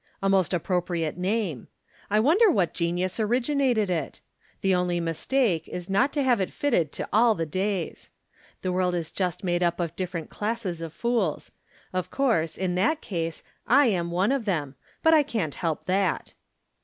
A most appropriate name. I wonder wliat genius originated it ? The only mistake is not to have it fitted to all the days. The world is just made up of different classes of fools. Of course, in that case, I am one of them ; but I can't help that.